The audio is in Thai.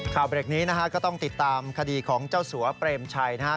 เบรกนี้นะฮะก็ต้องติดตามคดีของเจ้าสัวเปรมชัยนะครับ